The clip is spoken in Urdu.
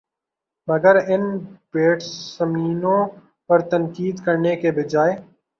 مگر ان بیٹسمینوں پر تنقید کرنے کے بجائے